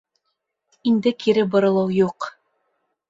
Инде кире боролоу юҡ.